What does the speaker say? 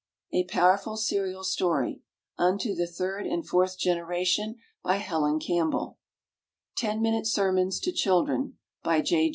A Powerful Serial Story: "Unto the Third and Fourth Generation." By HELEN CAMPBELL. TEN MINUTE SERMONS TO CHILDREN. BY J.